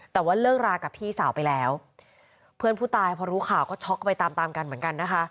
แต่ว่าเลิกรากับพี่สาวไปแล้วเพื่อนผู้ตายพอรู้ข่าวก็ช็อกไปตามตามกันเหมือนกันนะคะ